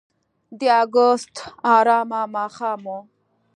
د اګست آرامه ماښام و.